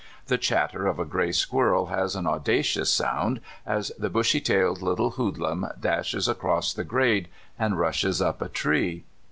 The chatter of a gray squirrel has an audacious sound as the bushy tailed little hoodlum dashes across the grade, and rushes up a tree.